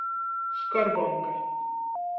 Skarbonka.